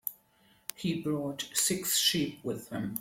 He brought six sheep with him.